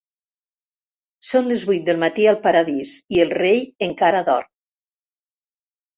Són les vuit del matí al paradís i el rei encara dorm.